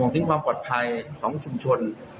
ถึงความปลอดภัยของชุมชน